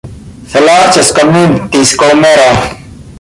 The largest community is Goumero.